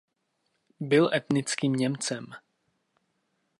Byl etnickým Němcem.